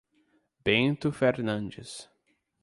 Bento Fernandes